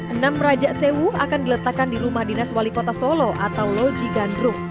enam rajak sewu akan diletakkan di rumah dinas wali kota solo atau loji gandrung